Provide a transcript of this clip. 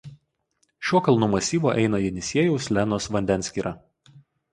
Šiuo kalnų masyvu eina Jenisiejaus–Lenos vandenskyra.